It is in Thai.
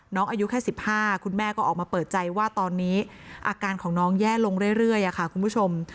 อายุแค่๑๕คุณแม่ก็ออกมาเปิดใจว่าตอนนี้อาการของน้องแย่ลงเรื่อยค่ะคุณผู้ชม